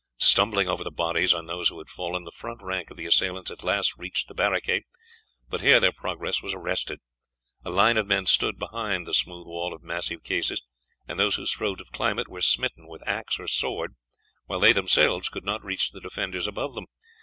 Stumbling over the bodies of those who had fallen, the front rank of the assailants at last reached the barricade, but here their progress was arrested. A line of men stood behind the smooth wall of massive cases, and those who strove to climb it were smitten with axe or sword, while they themselves could not reach the defenders above them.